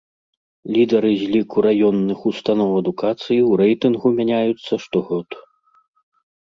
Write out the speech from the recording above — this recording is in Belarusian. Лідары з ліку раённых устаноў адукацыі ў рэйтынгу мяняюцца штогод.